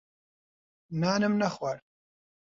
نانم نەخوارد.